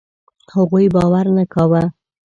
هغوی باور نه کاوه.